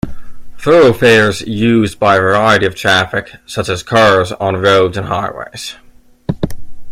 Thoroughfares used by a variety of traffic, such as cars on roads and highways.